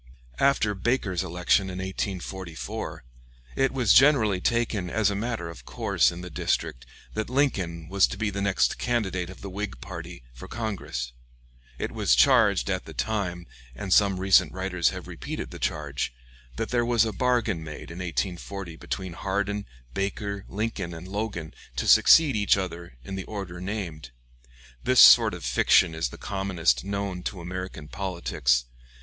After Baker's election in 1844, it was generally taken as a matter of course in the district that Lincoln was to be the next candidate of the Whig party for Congress. It was charged at the time, and some recent writers have repeated the charge, that there was a bargain made in 1840 between Hardin, Baker, Lincoln, and Logan to succeed each other in the order named. This sort of fiction is the commonest known to American politics.